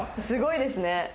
すごいですね。